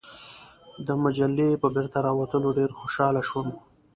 د مجلې په بیرته راوتلو ډېر خوشاله شوم.